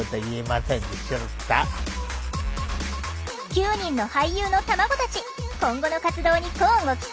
９人の俳優の卵たち今後の活動に乞うご期待！